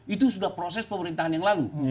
itu sudah proses pemerintahan yang lalu